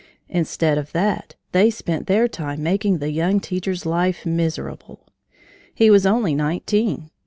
Instead of that they spent their time making the young teacher's life miserable. He was only nineteen!